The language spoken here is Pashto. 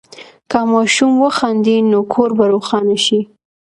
که ماشوم وخاندي، نو کور به روښانه شي.